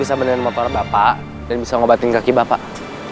sekarang bapak pulang aja ya pak